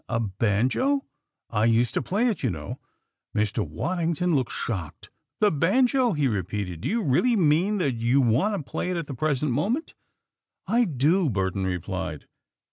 A banjo! I used to play it, you know." Mr. Waddington looked shocked. "The banjo!" he repeated. "Do you really mean that you want to play it at the present moment?" "I do," Burton replied.